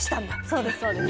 そうですそうです。